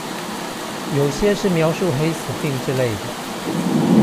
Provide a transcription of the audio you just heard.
有些是描述黑死病之類的